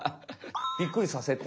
びっくりさせて。